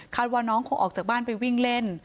ว่าน้องคงออกจากบ้านไปวิ่งเล่น